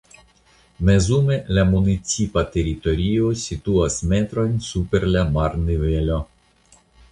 Mezume la municipa teritorio situas metrojn super la marnivelo.